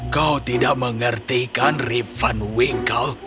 kau tidak mengertikan rip van winkle